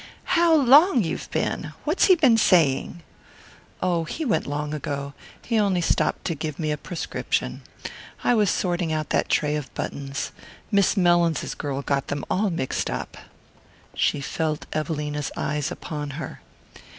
"How long you've been! What's he been saying?" "Oh, he went long ago he on'y stopped to give me a prescription. I was sorting out that tray of buttons. Miss Mellins's girl got them all mixed up." She felt Evelina's eyes upon her.